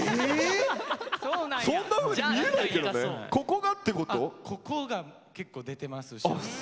ここが結構出てますし。